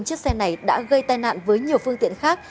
chiếc xe này đã gây tai nạn với nhiều phương tiện khác